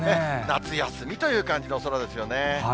夏休みという感じの空ですよね。